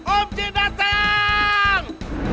om jin datang